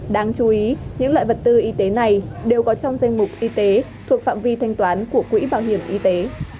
đáng chú ý những loại vật tư y tế này đều có trong danh mục y tế thuộc phạm vi thanh toán của quỹ bảo hiểm y tế